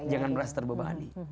jangan merasa terbebani